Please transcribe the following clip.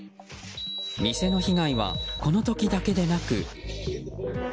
店の被害はこの時だけでなく。